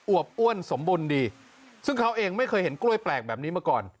วบอ้วนสมบูรณ์ดีซึ่งเขาเองไม่เคยเห็นกล้วยแปลกแบบนี้มาก่อน